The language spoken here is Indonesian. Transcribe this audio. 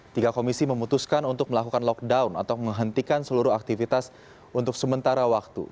tiga komisi memutuskan untuk melakukan lockdown atau menghentikan seluruh aktivitas untuk sementara waktu